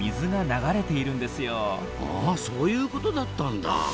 あそういうことだったんだ。